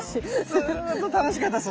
ずっと楽しかったです。